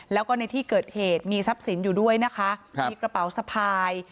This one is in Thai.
แล้วก็ในที่เกิดเหตุมีทรัพย์สินอยู่ด้วยนะคะมีกระเป๋าสะพาย